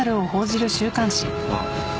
あっ。